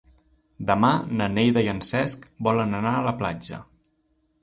Demà na Neida i en Cesc volen anar a la platja.